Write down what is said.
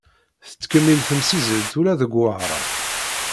Tettkemmil temsizzelt ula deg Wehran.